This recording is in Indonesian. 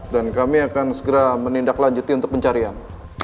kami akan segera menindaklanjuti untuk pencarian